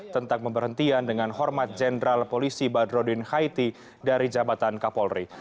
tentang pemberhentian dengan hormat jenderal polisi badrodin haiti dari jabatan kapolri